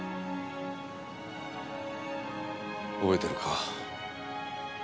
覚えてるか？